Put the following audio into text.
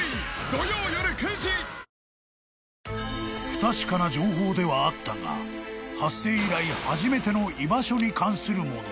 ［不確かな情報ではあったが発生以来初めての居場所に関するもの］